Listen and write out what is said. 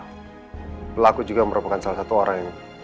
pelaku juga merupakan salah satu orang yang